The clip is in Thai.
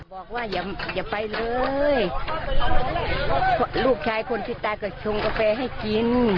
บอกว่าอย่าไปเลยลูกชายคนที่ตายก็ชงกาแฟให้กิน